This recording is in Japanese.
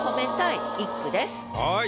はい。